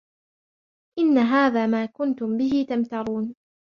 إِنَّ هَذَا مَا كُنْتُمْ بِهِ تَمْتَرُونَ